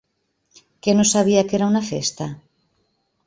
Que no sabia que era una festa?